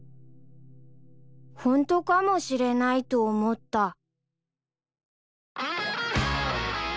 ［ホントかもしれないと思った］